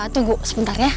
tunggu sebentar ya